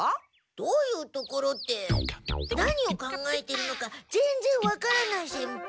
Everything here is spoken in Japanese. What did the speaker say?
「どういうところ」って何を考えているのか全然わからない先輩。